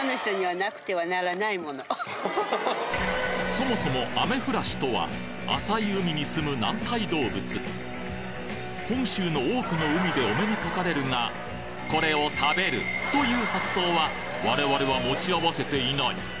そもそもアメフラシとは浅い海にすむ軟体動物本州の多くの海でお目にかかれるがこれを我々は持ち合わせていない